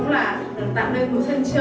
cho cộng đồng người việt